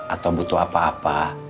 atau butuh apa apa